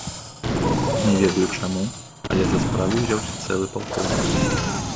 Не ведаю, чаму, але за справу ўзяўся цэлы палкоўнік!